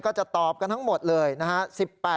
ก็จะตอบกันทั้งหมดเลยนะฮะ